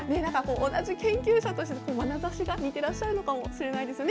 同じ研究者としてまなざしが似ていらっしゃるのかもしれませんね。